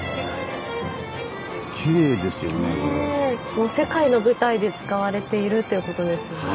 もう世界の舞台で使われているということですもんね。